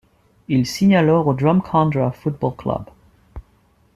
Il signe alors au Drumcondra Football Club.